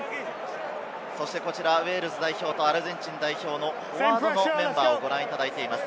ウェールズ代表とアルゼンチン代表のフォワードのメンバーをご覧いただいています。